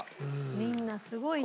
みんなすごいなあ。